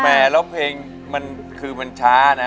แล้วเพลงมันคือมันช้านะ